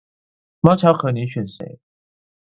貓巧可你選誰